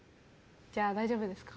じゃあ大丈夫ですか？